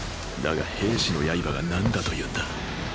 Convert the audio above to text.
だが兵士の刃が何だと言うんだ。